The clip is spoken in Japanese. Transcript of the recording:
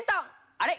あれ？